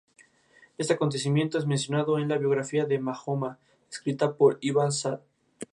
Este acontecimiento es mencionado en la biografía de Mahoma escrita por Ibn Sa'd.